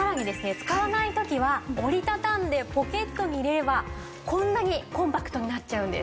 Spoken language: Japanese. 使わない時は折り畳んでポケットに入れればこんなにコンパクトになっちゃうんです。